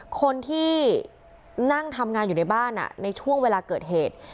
คนที่นั่งทำงานอยู่ในบ้านในช่วงเวลาเกิดเหตุ